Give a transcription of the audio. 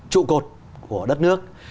trụ cột của đất nước